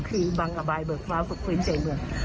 คือบังกะบายเบอร์เฟ้าสุขฟื้นเจ็ดเมือง